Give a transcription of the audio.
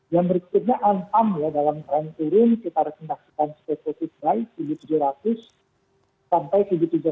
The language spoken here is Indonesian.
yang berikutnya anpam ya dalam tren turun kita rekomendasikan spesifikasi tujuh ribu tujuh ratus tujuh ribu tujuh ratus empat puluh